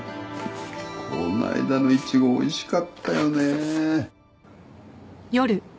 この間のイチゴおいしかったよね。